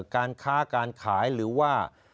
การค้าการขายหรือว่า